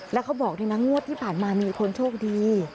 แล้วเขาบอกด้วยนะงวดที่ผ่านมามีคนโชคดี